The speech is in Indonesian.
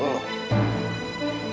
dan rasa gue kalau